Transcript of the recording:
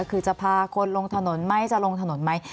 คือจะพาคนลงถนนไหมจะลงถนนไหม